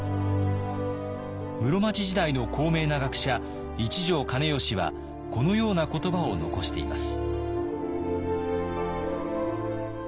室町時代の高名な学者一条兼良はこのような言葉を残しています。